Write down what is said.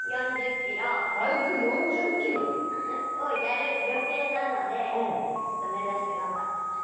バイク４０ｋｍ⁉をやる予定なので目指して頑張ってます。